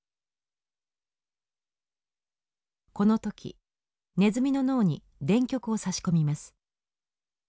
この時ネズミの脳に電極を差し込みます。